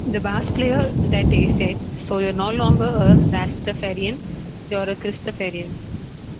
The bass-player that day said; So you're no longer a Rastafarian, you're a Christafarian.